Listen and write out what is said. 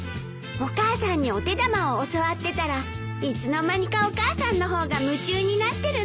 お母さんにお手玉を教わってたらいつの間にかお母さんの方が夢中になってるの。